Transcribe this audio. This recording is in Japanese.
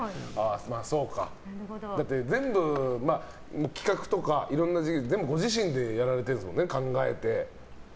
だって全部、企画とかいろいろな事業、全部ご自身でやられているんですもんね。